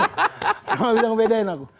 gak bisa ngebedain aku